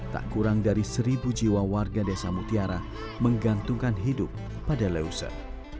tak kurang dari seribu jiwa warga desa mutiara menggantungkan hidup pada leuser